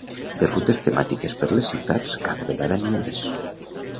De rutes temàtiques per les ciutats, cada vegada n’hi ha més.